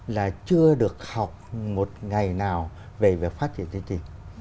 là chưa được học một ngày nào về việc phát triển chương trình